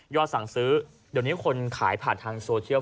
สั่งซื้อเดี๋ยวนี้คนขายผ่านทางโซเชียล